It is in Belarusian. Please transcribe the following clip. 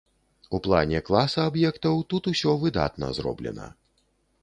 У плане класа аб'ектаў тут усё выдатна зроблена.